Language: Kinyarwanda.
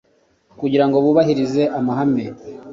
kugira ngo bubahirize amahame